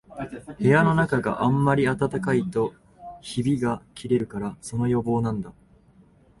室のなかがあんまり暖かいとひびがきれるから、その予防なんだ